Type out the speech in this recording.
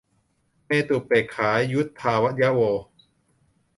เมตตุเปกขายุทธายะโว